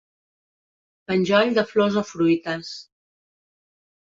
Penjoll de flors o fruites.